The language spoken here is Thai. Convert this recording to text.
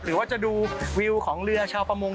หรือว่าจะดูวิวของเรือชาวประมง